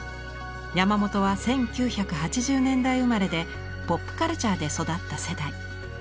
山本は１９８０年代生まれでポップカルチャーで育った世代。